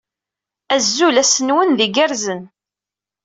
Azul, ass-nwen d igerrzen!